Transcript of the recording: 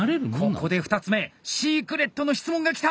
ここで２つ目シークレットの質問が来た！